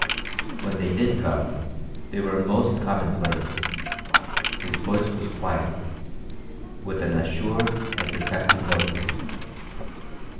When they did come they were most commonplace; his voice was quiet, with an assured and protecting note in it.